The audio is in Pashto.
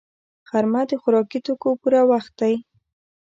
غرمه د خوراکي توکو پوره وخت دی